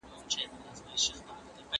ښوونکی زدهکوونکو ته د فکر کولو تمرین ورکوي.